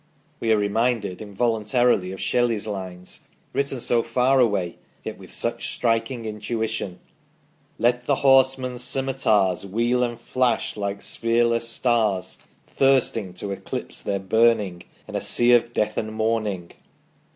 " We are re minded involuntarily of Shelley's lines, written so far away yet with such striking intuition : Let the horsemen's scimitars Wheel and flash, like sphereless stars Thirsting to eclipse their burning In a sea of death and mourning.